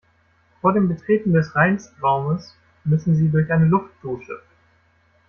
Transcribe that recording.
Vor dem Betreten des Reinstraumes müssen Sie durch eine Luftdusche.